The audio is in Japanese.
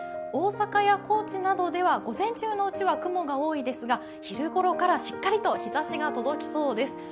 大阪や高知などでは、午前中のうちは雲が多いですが昼ごろからしっかりと日ざしが届きそうです。